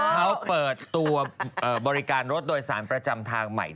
เขาเปิดตัวบริการรถโดยสารประจำทางใหม่